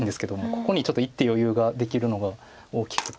ここにちょっと１手余裕ができるのが大きくて。